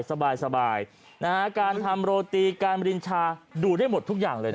สบายนะฮะการทำโรตีการบรินชาดูได้หมดทุกอย่างเลยนะ